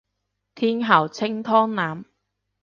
天后清湯腩